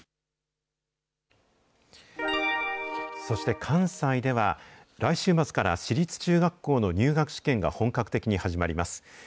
そして関西では、来週末から私立中学校の入学試験が本格的に始まります。